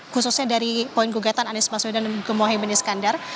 khususnya dari poin gugatan anies baswedan dan gemohi beniskandar